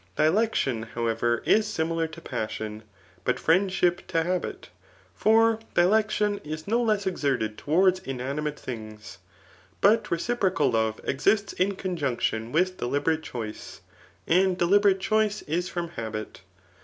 Dilection, however, is similar to passion, but friendship to habit ; for dilection is no less exerted towards inani mate things. But reciprocal love exists in conjunction with deliberate choice; and deliberate choice is from habit.